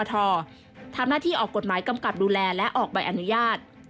ทำหน้าที่ออกกฎหมายกำกับดูแลและออกใบอนุญาต